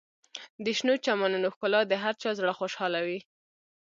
د شنو چمنونو ښکلا د هر چا زړه خوشحالوي.